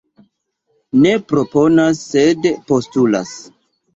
Ne proponas sed postulas.